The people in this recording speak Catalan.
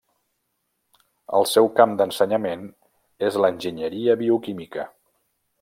El seu camp d’ensenyament és l’Enginyeria Bioquímica.